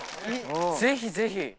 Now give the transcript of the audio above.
ぜひぜひ！